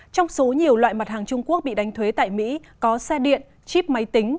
trong số nhiều loại mặt hàng trung quốc bị đánh thuế tại mỹ có xe điện chip máy tính